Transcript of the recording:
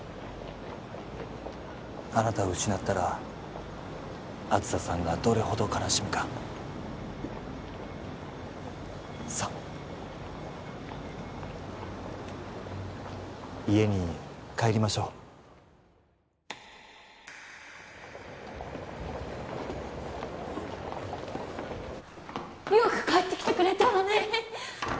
あなたを失ったら梓さんがどれほど悲しむかさあ家に帰りましょうよく帰ってきてくれたわね